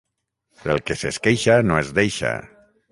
El que s'esqueixa no es deixa.